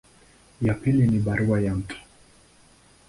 Ya pili ni barua kwa Mt.